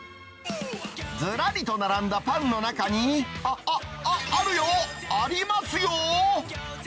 ずらりと並んだパンの中に、あっ、あっ、あるよ、ありますよ。